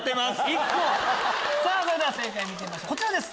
さぁ正解見てみましょうこちらです！